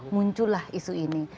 muncullah isu ini